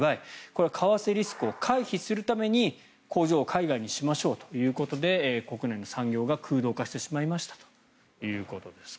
これは為替リスクを回避するために工場を海外にしましょうということで国内の産業が空洞化してしまいましたということです。